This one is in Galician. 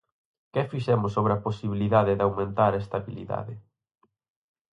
¿Que fixemos sobre a posibilidade de aumentar a estabilidade?